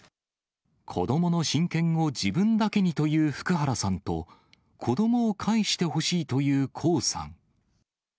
子どもの親権を自分だけにという福原さんと、子どもをかえしてほしいという江さん。